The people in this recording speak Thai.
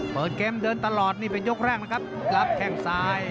เปิดเกมเดินตลอดนี่เป็นยกแรกนะครับรับแข้งซ้าย